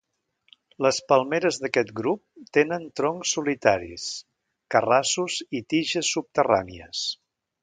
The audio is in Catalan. Les palmeres d'aquest grup tenen troncs solitaris, carrassos i tiges subterrànies.